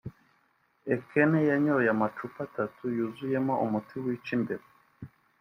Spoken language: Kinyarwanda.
“Ekene yanyoye amacupa atatu yuzuyemo umuti wica imbeba